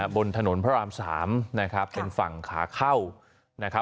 บนถนนพระราม๓เป็นฝั่งขาเข้า